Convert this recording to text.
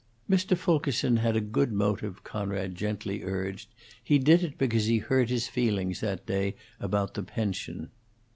"Mr. Fulkerson had a good motive," Conrad gently urged. "He did it because he hurt his feelings that day about the pension."